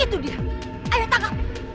itu dia ayo tangkap